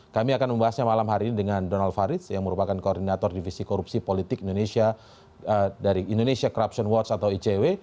kami akan membahasnya malam hari ini dengan donald faridz yang merupakan koordinator divisi korupsi politik indonesia dari indonesia corruption watch atau icw